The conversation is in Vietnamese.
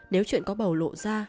nếu chuyện có bầu lộ ra